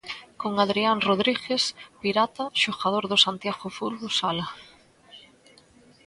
Con Adrián Rodríguez, Pirata, xogador do Santiago Fútbol Sala.